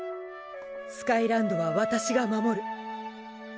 スカイランドはわたしが守る